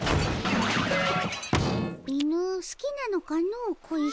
犬好きなのかの小石。